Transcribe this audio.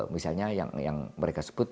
misalnya yang mereka sebut